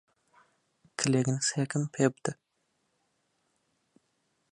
کلێنکسێکم پێ بدە.